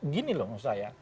gini loh menurut saya